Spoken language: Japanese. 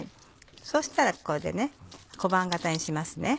そうしたらここで小判形にしますね。